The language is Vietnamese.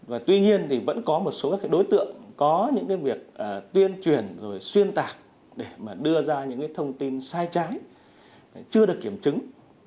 và tuy nhiên thì vẫn có một số các đối tượng có những cái việc tuyên truyền rồi xuyên tạc để mà đưa ra những thông tin sai trái chưa được kiểm chứng